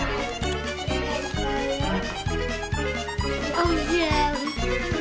おいしい！